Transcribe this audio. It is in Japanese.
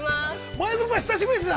◆前園さん、久しぶりですね。